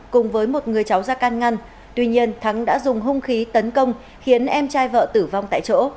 cùng với một người cháu ra can ngăn tuy nhiên thắng đã dùng hung khí tấn công khiến em trai vợ tử vong tại chỗ